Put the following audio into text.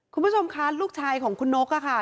คุณผู้ชมคะลูกชายของคุณนกค่ะ